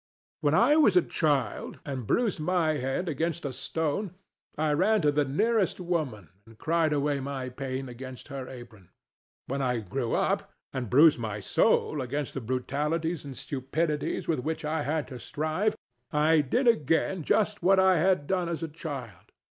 When I was a child, and bruised my head against a stone, I ran to the nearest woman and cried away my pain against her apron. When I grew up, and bruised my soul against the brutalities and stupidities with which I had to strive, I did again just what I had done as a child.